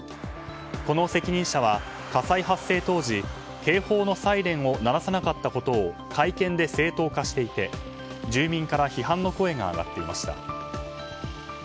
この責任者は、火災発生当時警報のサイレンを鳴らさなかったことを会見で正当化していて住民から批判の声が上がっていました。